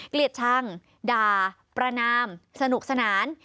เกลียดชังด่าประนามสนุกสนาน